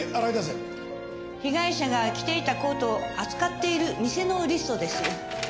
被害者が着ていたコートを扱っている店のリストです。